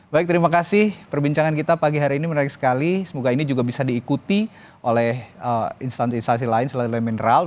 baik terima kasih perbincangan kita pagi hari ini menarik sekali semoga ini juga bisa diikuti oleh instansi instansi lain selain oleh mineral